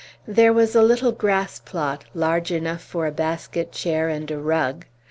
There was a little grass plot, large enough for a basket chair and a rug.